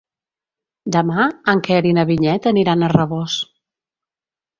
Demà en Quer i na Vinyet aniran a Rabós.